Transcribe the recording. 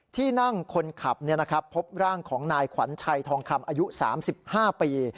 ที่นั่งคนขับพบร่างของนายขวัญชัยทองคำอายุ๓๕ปี